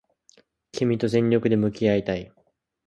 君と全力で向き合いたい